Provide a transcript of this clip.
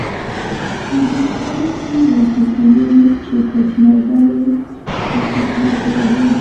زبېښوونکو بنسټونو چې کوچنۍ ډلې خېټه پرې اچولې وه